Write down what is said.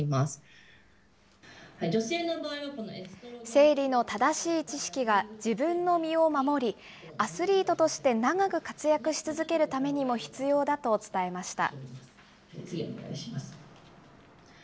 生理の正しい知識が自分の身を守りアスリートとして長く活躍し続けるためにも必要だと伝えました。